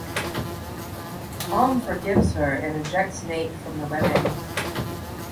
Tom forgives her and ejects Nate from the wedding.